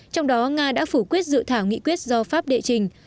trong đó nga đã phủ quyết dự thảo nghị quyết do pháp đệ trình